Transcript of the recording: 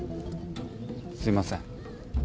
すいません。